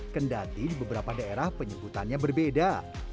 kendati di beberapa daerah penyebutannya berbeda